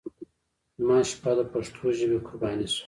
زما شپه د پښتو ژبې قرباني شوه.